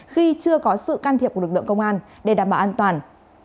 khi chưa có sự can thiệp của lực lượng công an để đảm bảo an toàn